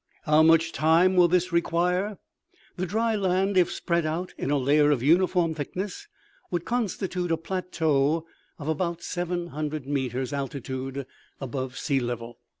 " How much time will this require ?" The dry land, if spread out in a layer of uniform thickness, would constitute a plateau of about 700 meters 84 OMEGA. altitude above the sea level.